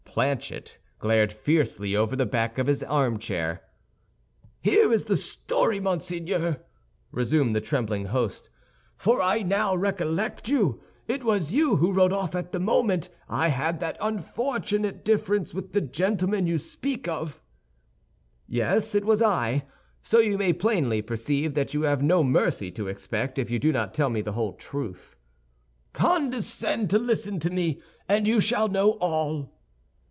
Planchet glared fiercely over the back of his armchair. "Here is the story, monseigneur," resumed the trembling host; "for I now recollect you. It was you who rode off at the moment I had that unfortunate difference with the gentleman you speak of." "Yes, it was I; so you may plainly perceive that you have no mercy to expect if you do not tell me the whole truth." "Condescend to listen to me, and you shall know all."